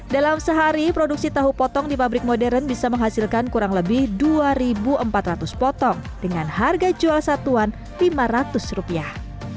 dalam sehari produksi tahu potong di pabrik modern bisa menghasilkan kurang lebih dua empat ratus potong dengan harga jual satuan lima ratus rupiah